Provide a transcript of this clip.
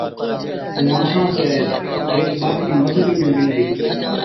ائُون آنٿڻان چَي هيڪ ٻاڪرِي مزُورِي ۾ مِللِي۔